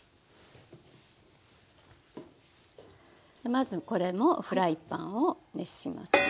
まずこれもフライパンを熱しますね。